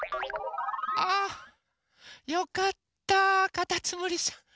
あよかったかたつむりさん。